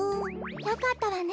よかったわね